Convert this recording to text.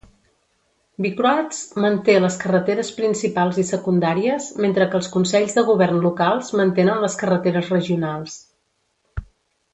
Vicroads manté les carreteres principals i secundàries, mentre que els consells de govern locals mantenen les carreteres regionals.